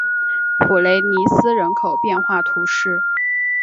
普雷尼斯人口变化图示